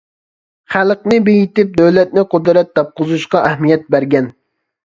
خەلقنى بېيىتىپ، دۆلەتنى قۇدرەت تاپقۇزۇشقا ئەھمىيەت بەرگەن.